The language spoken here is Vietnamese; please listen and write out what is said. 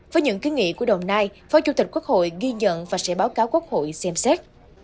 với những kiến nghị của đồng nai phó chủ tịch quốc hội ghi nhận và sẽ báo cáo quốc hội xem xét